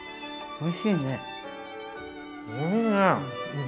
おいしいね！